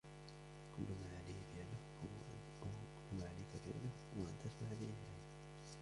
كل ما عليك فعله هو أن تسمع بعناية.